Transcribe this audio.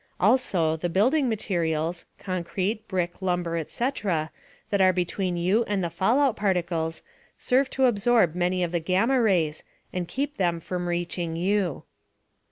Also, the building materials (concrete, brick, lumber, etc.) that are between you and the fallout particles serve to absorb many of the gamma rays and keep them from reaching you.